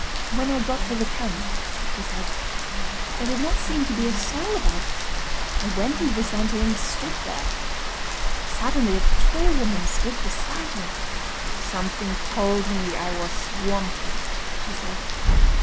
"When I got to the camp," she said, "there did not seem to be a soul about, I went into the centre and stood there. Suddenly a tall woman stood beside me. 'Something told me I was wanted!' she said.